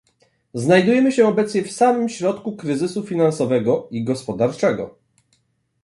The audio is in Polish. Znajdujemy się obecnie w samym środku kryzysu finansowego i gospodarczego